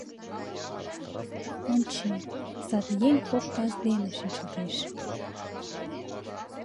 Ончем: саде еҥ кок таз дене шинчылтеш.